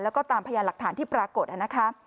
แล้วก็ตามพยานหลักฐานที่ปรากฏนะคะ